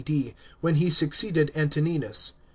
D.) when he succeeded Antoninus.